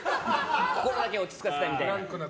落ち着かせたいみたいな。